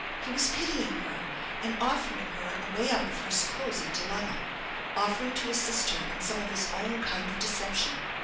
He was pitying her and offering her a way out of her supposed dilemma, offering to assist her in some of his own kind of deception.